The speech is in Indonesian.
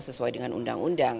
sesuai dengan undang undang